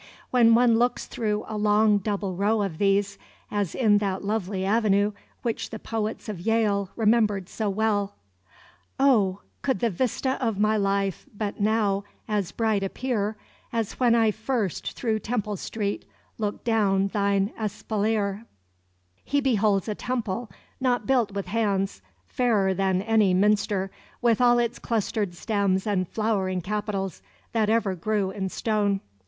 When one looks through a long double row of these, as in that lovely avenue which the poets of Yale remember so well, "Oh, could the vista of my life but now as bright appear As when I first through Temple Street looked down thine espalier!" he beholds a temple not built with hands, fairer than any minster, with all its clustered stems and flowering capitals, that ever grew in stone.